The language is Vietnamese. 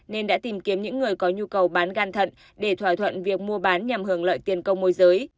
nên đã tìm kiếm những người có nhu cầu bán gan thận để thỏa thuận việc mua bán nhằm hưởng lợi tiền công môi giới